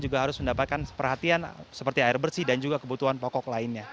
juga harus mendapatkan perhatian seperti air bersih dan juga kebutuhan pokok lainnya